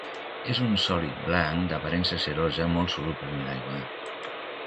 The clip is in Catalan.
És un sòlid blanc, d'aparença cerosa molt soluble en aigua.